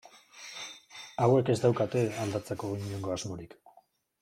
Hauek ez daukate aldatzeko inongo asmorik.